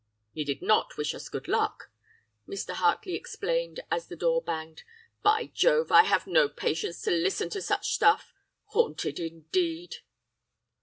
"'He did not wish us good luck!' Mr. Hartley explained as the door banged. 'By Jove! I have no patience to listen to such stuff! Haunted, indeed!